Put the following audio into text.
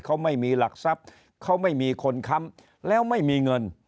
เขาไม่มีหลักทรัพย์เขาไม่มีคนค้ำแล้วไม่มีเงิน